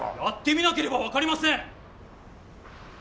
やってみなければ分かりません！